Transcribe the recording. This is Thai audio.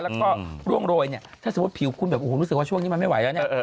แล้วก็ร่วงโรยเนี่ยถ้าสมมุติผิวคุณแบบโอ้โหรู้สึกว่าช่วงนี้มันไม่ไหวแล้วเนี่ย